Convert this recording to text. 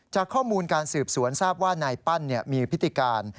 จากข้อมูลการสืบสวนทราบว่านายปั้นมีพฤติการ